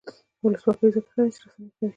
ولسواکي ځکه ښه ده چې رسنۍ قوي کوي.